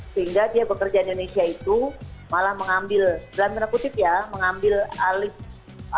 sehingga dia pekerjaan indonesia itu malah mengambil dalam tanda kutip ya mengambil ahli atau juga pekerjaan bagi rakyat indonesia